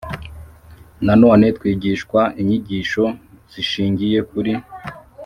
Nanone twigishwa inyigisho zishingiye kuri